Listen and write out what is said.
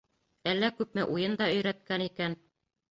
Әллә күпме уйын да өйрәткән икән.